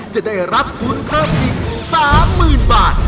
จะได้รับทุนเพิ่มอีก๓๐๐๐บาท